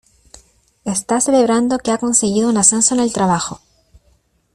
Está celebrando que ha conseguido un ascenso en el trabajo.